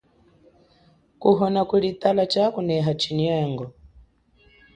Kuhona kuli tala chakuneha chinyengo.